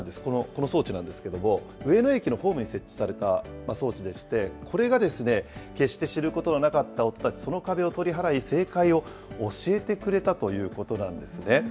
この装置なんですけれども、上野駅のホームに設置された装置でして、これが決して知ることのなかった音たち、その壁を取り払い、正解を教えてくれたということなんですね。